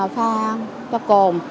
pha cho cồn